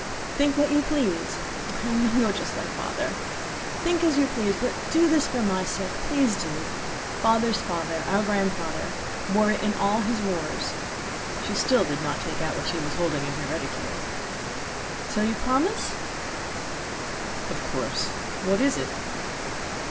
"Think what you please! I know you are just like Father. Think as you please, but do this for my sake! Please do! Father's father, our grandfather, wore it in all his wars." (She still did not take out what she was holding in her reticule.) "So you promise?" "Of course. What is it?"